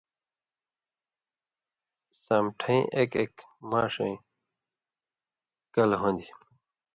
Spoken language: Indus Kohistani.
سامٹھَیں اېک اېک ماݜَیں کل ہُون٘دیۡ،